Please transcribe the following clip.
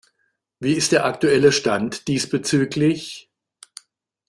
Wie ist der aktuelle Stand diesbezüglich?